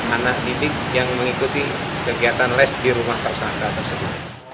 anak didik yang mengikuti kegiatan les di rumah tersangka tersebut